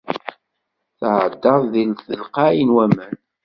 Tɛeddaḍ di telqay n waman.